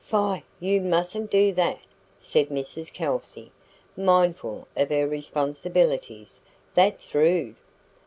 "Fie! You mustn't do that," said Mrs Kelsey, mindful of her responsibilities. "That's rude."